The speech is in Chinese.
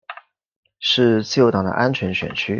是自由党的安全选区。